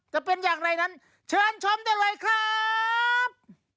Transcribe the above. จะเป็นอย่างไรนั้นเชิญชมได้เลยครับ